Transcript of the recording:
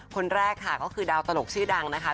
คนแรกค่ะก็คือดาวตลกชื่อดังนะคะ